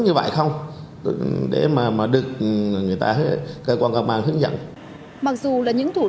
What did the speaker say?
chỉ với những thủ đoạn thông thường như gọi điện thoại hay giả danh các cơ quan nhà nước